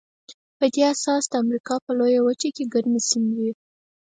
په دې اساس د امریکا په لویه وچه کې ګرمې سیمې وې.